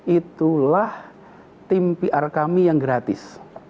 itulah tim pr kami yang gratis